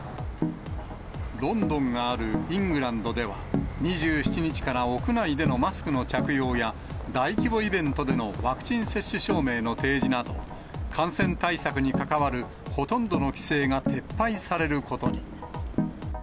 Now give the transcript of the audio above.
ロンドンがあるイングランドでは、２７日から屋内でのマスクの着用や、大規模イベントでのワクチン接種証明の提示など、感染対策に関わるほとんどの規制が撤廃されることに。